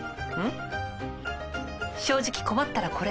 正直困ったらこれ。